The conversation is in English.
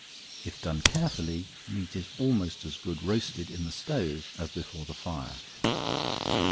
If done carefully, meat is almost as good roasted in the stove as before the fire.